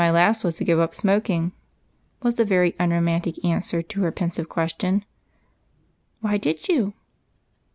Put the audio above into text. "My last was to give up smoking," was the very unromantic answer to her pensive question. "Why did you?"